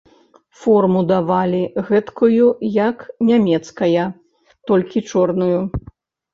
Форму давалі, гэткую, як нямецкая, толькі чорную.